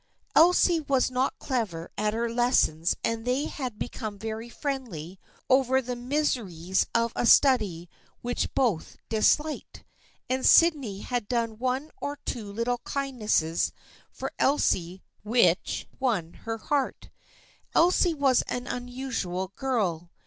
Elsie was not clever at her lessons and they had become very friendly over the mis eries of a study which both disliked, and Sydney had done one or two little kindnesses for Elsie which had won her heart. Elsie was an unusual girl.